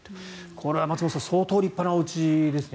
これは松本さん相当、立派なおうちですね。